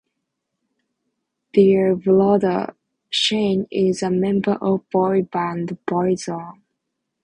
Their brother Shane is a member of boy band Boyzone.